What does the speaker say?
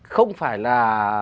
không phải là